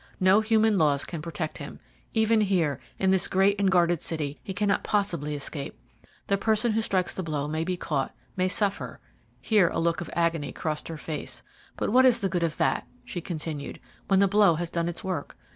No human laws can protect him. Even here, in this great and guarded city, he cannot possibly escape. The person who strikes the blow may be caught, may suffer" here a look of agony crossed her face "but what is the good of that," she continued, "when the blow has done its work?